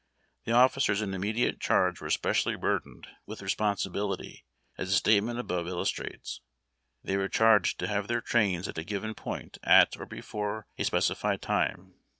The officers in immediate charge were especially burdened with responsibil ity, as the statement above illustrates. They were charged to have their trains at a given point at or before a speci fied time.